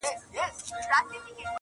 نه مي علم نه دولت سي ستنولای؛